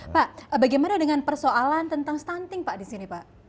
pak bagaimana dengan persoalan tentang stunting pak di sini pak